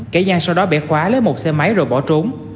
kẻ gian sau đó bẻ khóa lấy một xe máy rồi bỏ trốn